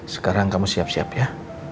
sekarang kamu siap siap ya